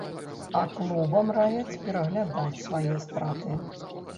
А клубам раяць пераглядаць свае страты.